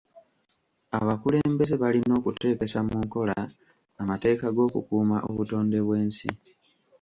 Abakulembeze balina okuteekesa mu nkola amateeka g'okukuuma obutonde bw'ensi.